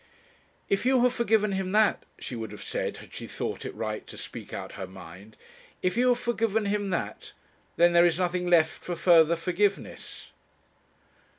'If you have forgiven him that' she would have said, had she thought it right to speak out her mind 'if you have forgiven him that, then there is nothing left for further forgiveness.'